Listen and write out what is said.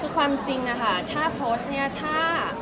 คือความจริงนะคะถ้าโพสจะท่า